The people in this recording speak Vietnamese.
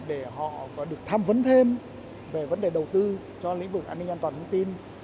để họ được tham vấn thêm về vấn đề đầu tư cho lĩnh vực an ninh an toàn thông tin